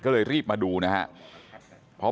ก็เลยรีบมาดูนะครับ